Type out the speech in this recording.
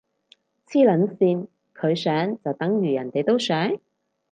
黐撚線，佢想就等如人哋都想？